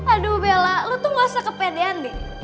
aduh bella lo tuh gak usah kepedean deh